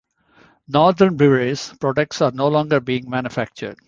Northern Breweries products are no longer being manufactured.